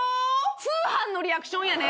通販のリアクションやね。